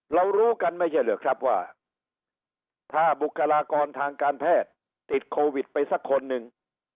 รู้กันไม่ใช่เหรอครับว่าถ้าบุคลากรทางการแพทย์ติดโควิดไปสักคนหนึ่ง